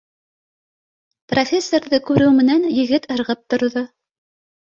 Профессорҙы күреү менән, егет ырғып торҙо: